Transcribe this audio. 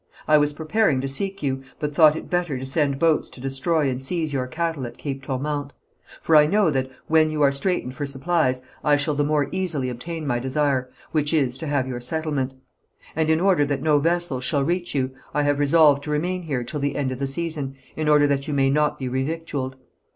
I was preparing to seek you, but thought it better to send boats to destroy and seize your cattle at Cape Tourmente; for I know that, when you are straightened for supplies, I shall the more easily obtain my desire, which is, to have your settlement; and in order that no vessels shall reach you, I have resolved to remain here till the end of the season, in order that you may not be re victualled.